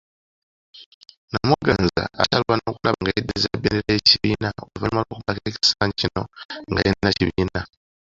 Namuganza akyalwana okulaba nga yeddiza bbendera y'ekibiina oluvanyuma lw'okumalako ekisanja kino nga talina kibiina.